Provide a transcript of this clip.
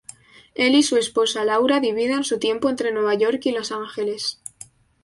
Él y su esposa, Laura, dividen su tiempo entre Nueva York y Los Angeles.